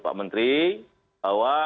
pak menteri bahwa